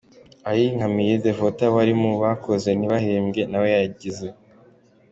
Ayinkamiye Devotha wari mu bakoze ntibahembwe, nawe yagize .